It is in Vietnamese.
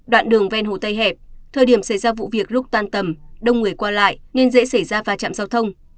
đoạn đường ven hồ tây hẹp thời điểm xảy ra vụ việc lúc tan tầm đông người qua lại nên dễ xảy ra va chạm giao thông